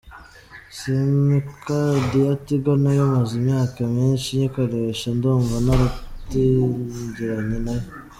Simukadi ya Tigo nayo maze imyaka myinshi nyikoresha, ndunva naratangiranye nayo.